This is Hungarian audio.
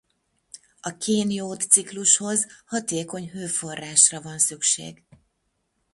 A kén-jód ciklushoz hatékony hőforrásra van szükség.